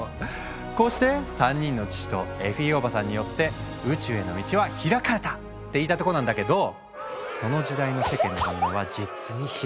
こうして３人の父とエフィーおばさんによって宇宙への道は開かれた！って言いたいとこなんだけどその時代の世間の反応は実にひどいもんだったんだ。